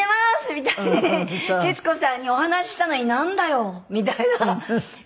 みたいに徹子さんにお話ししたのになんだよ！みたいな感じ。